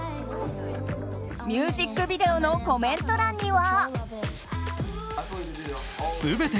ミュージックビデオのコメント欄には。